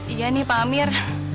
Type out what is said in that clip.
iya nih pak amir